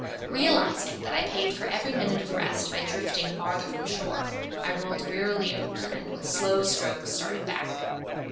Realizing that I paid for every minute of rest by drifting farther from shore, I rolled wearily over, and with slow strokes started back.